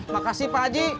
makasih pak haji